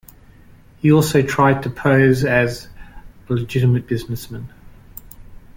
He also tried to pose as a legitimate businessman.